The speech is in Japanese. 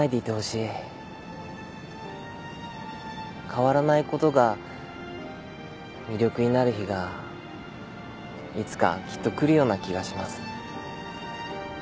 変わらないことが魅力になる日がいつかきっと来るような気がします。